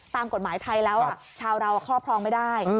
ตามกฎหมายไทยแล้วชาวเราครอบครองไม่ได้